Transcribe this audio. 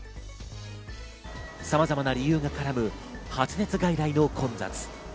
さまざまな理由が絡む発熱外来の混雑。